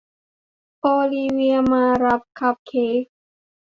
โอลิเวียมารับคัพเค้ก